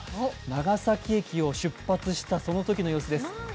長崎駅を出発したそのときの様子です。